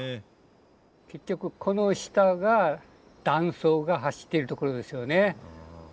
結局この下が断層が走ってるところですよね。